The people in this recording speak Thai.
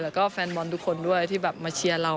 แล้วก็แฟนบอลทุกคนด้วยที่แบบมาเชียร์เรา